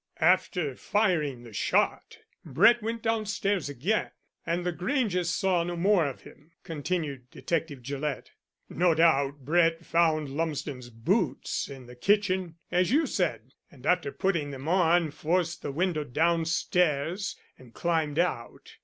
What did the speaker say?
"After firing the shot Brett went downstairs again, and the Granges saw no more of him," continued Detective Gillett. "No doubt Brett found Lumsden's boots in the kitchen, as you said, and after putting them on forced the window downstairs and climbed out.